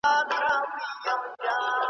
باید په نړیوالو مجلو کې اعلانونه ورکړو.